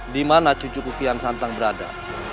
dimana cucu kukian santang berada